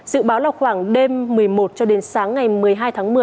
dự báo là khoảng đêm một mươi một cho đến sáng ngày một mươi hai tháng một mươi